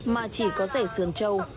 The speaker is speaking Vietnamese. mà chỉ có rẻ sườn châu